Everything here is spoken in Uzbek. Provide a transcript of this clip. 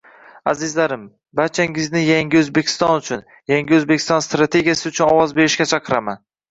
Azizlarim, barchangizni Yangi O‘zbekiston uchun, Yangi O‘zbekiston strategiyasi uchun ovoz berishga chaqiraman.